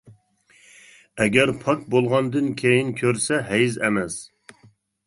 ئەگەر پاك بولغاندىن كېيىن كۆرسە ھەيز ئەمەس.